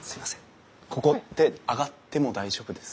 ここって上がっても大丈夫ですか？